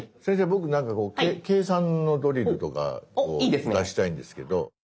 僕なんかこう計算のドリルとかを出したいんですけど。